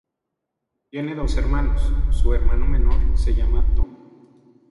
Tiene dos hermanos, su hermano menor se llama Tom.